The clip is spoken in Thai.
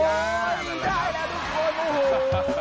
กินได้แล้วทุกคนโอ้โห